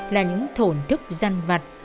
là những thổn thức dân vật